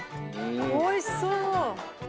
おいしそう！